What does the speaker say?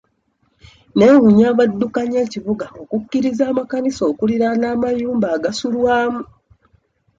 Neewuunya abaddukanya ekibuga okukkiriza amakanisa okuliraana amayumba agasulwamu.